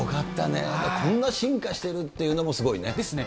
こんな進化してるっていうのもすですね。